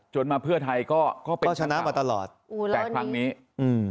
มาเพื่อไทยก็ก็ชนะมาตลอดโอ้แต่ครั้งนี้อืม